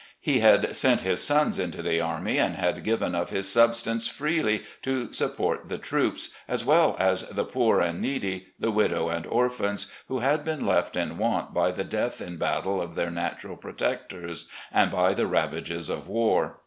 He had sent his sons into the army, and had given of his substance freely to support the troops, as well as the poor and needy, the widow and orphan, who had been left in want by the death in battle of their natural protectors and by the ravages of war.